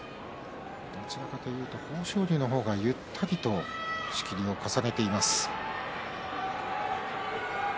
どちらかというと豊昇龍の方がゆったりと仕切りを重ねています。